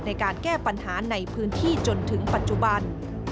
ในการแก้ปัญหาในพื้นที่จนถึงปัจจุบัน